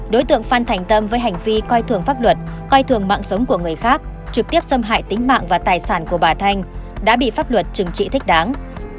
đối tượng phan thành tâm với hành vi coi thường pháp luật coi thường mạng sống của người khác trực tiếp xâm hại tính mạng và tài sản của bà thanh đã bị pháp luật trừng trị thích đáng